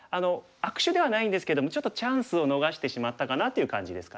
悪手ではないんですけどもちょっとチャンスを逃してしまったかなっていう感じですかね。